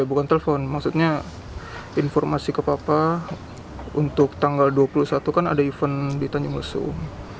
bukan telepon maksudnya informasi ke papa untuk tanggal dua puluh satu kan ada event di tanjung lesung